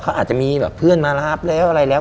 เขาอาจจะมีเพื่อนมารับอะไรแล้ว